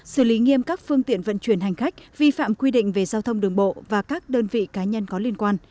xử lý nghiêm các phương tiện vận chuyển hành khách vi phạm quy định về giao thông đường bộ và các đơn vị cá nhân có liên quan